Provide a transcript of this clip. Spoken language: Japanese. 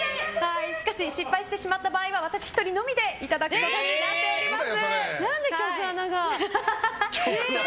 しかしもし失敗してしまったら私１人のみでいただくことになっております。